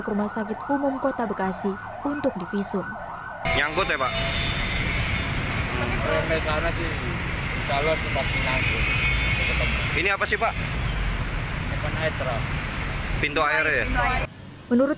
ke rumah sakit umum kota bekasi untuk divisum nyangkut ya pak ini apa sih pak menurut